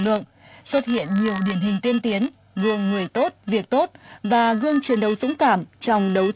lượng xuất hiện nhiều điển hình tiên tiến gương người tốt việc tốt và gương truyền đấu dũng cảm trong đấu